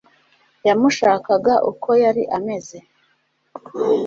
yamushakaga uko yari ameze